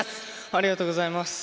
ありがとうございます。